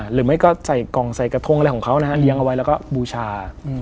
หรือไม่ก็ใส่กล่องใส่กระทงอะไรของเขานะฮะเลี้ยงเอาไว้แล้วก็บูชา